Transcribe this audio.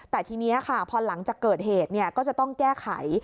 แต่ทีนี้ค่ะพอหลังจากเกิดเหตุก็จะต้องแก้ไข